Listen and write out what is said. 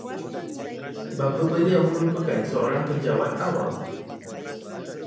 Bapa beliau merupakan seorang penjawat awam